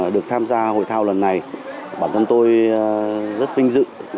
được tham gia hội thao lần này bản thân tôi rất vinh dự